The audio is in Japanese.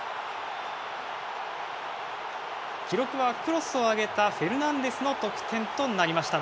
記録はクロスを上げたフェルナンデスの得点となりました。